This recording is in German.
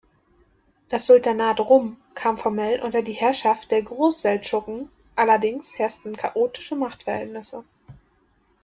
Das Sultanat Rum kam formell unter die Herrschaft der Großseldschuken, allerdings herrschten chaotische Machtverhältnisse.